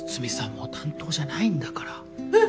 もう担当じゃないんだから。え！？